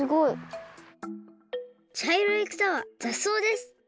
ちゃいろいくさはざっそうです。